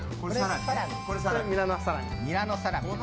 ミラノサラミです。